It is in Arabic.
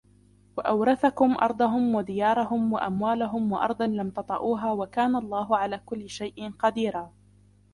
وَأَوْرَثَكُمْ أَرْضَهُمْ وَدِيَارَهُمْ وَأَمْوَالَهُمْ وَأَرْضًا لَمْ تَطَئُوهَا وَكَانَ اللَّهُ عَلَى كُلِّ شَيْءٍ قَدِيرًا